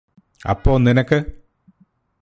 അപ്പോ നിനക്ക്